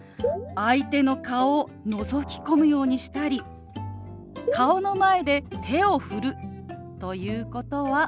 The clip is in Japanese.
相手の顔をのぞき込むようにしたり顔の前で手を振るということはマナー違反なんです。